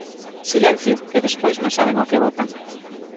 ¡Silencio, que despois non saben o que votan!